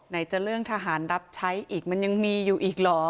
จะเรื่องทหารรับใช้อีกมันยังมีอยู่อีกเหรอ